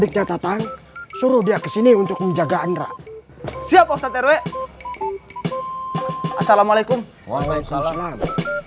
dia datang suruh dia kesini untuk menjaga andra siapa terwe assalamualaikum waalaikumsalam